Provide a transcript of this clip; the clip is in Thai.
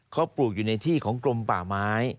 เขาปลูกอยู่ในที่ของกรมป่าไม้